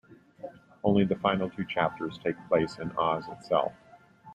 Only the final two chapters take place in Oz itself.